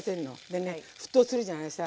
でね沸騰するじゃないさ。